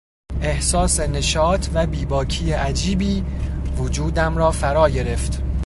احساس نشاط و بیباکی عجیبی وجودم را فراگرفت.